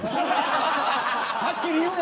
はっきり言うな。